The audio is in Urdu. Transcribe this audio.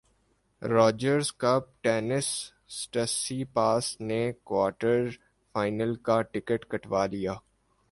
راجرز کپ ٹینس سٹسیپاس نے کوارٹر فائنل کا ٹکٹ کٹوا لیا